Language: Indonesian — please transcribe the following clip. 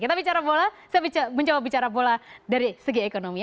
kita bicara bola saya mencoba bicara bola dari segi ekonomi